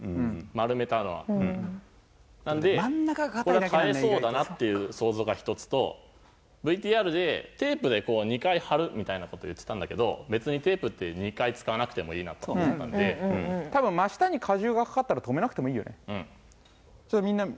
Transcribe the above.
丸めたのはなのでこれは耐えそうだなっていう想像が一つとＶＴＲでテープでこう２回貼るみたいなことを言ってたんだけど別にテープって２回使わなくてもいいなと思ったんでちょっとみんなそうそれでは